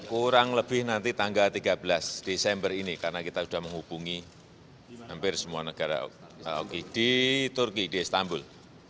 kurang lebih nanti tanggal tiga belas desember ini karena kita sudah menghubungi hampir semua negara oki di turki di istanbul